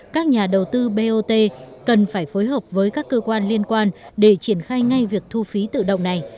các nhà đầu tư bot cần phải phối hợp với các cơ quan liên quan để triển khai ngay việc thu phí tự động này